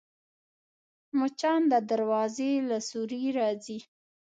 مچان د دروازې له سوري راځي